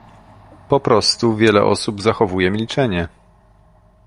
Po prostu wiele osób zachowuje milczenie